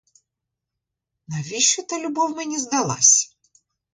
Навіщо та любов мені здалась?